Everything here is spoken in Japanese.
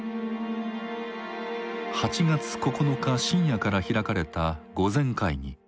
８月９日深夜から開かれた御前会議。